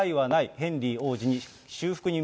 ヘンリー王子は修